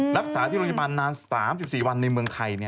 รักษาที่โรงพยาบาลนาน๓๔วันในเมืองไทย